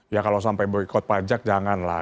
ya kalau sampai boykot pajak janganlah